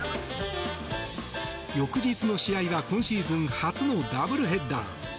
翌日の試合は今シーズン初のダブルヘッダー。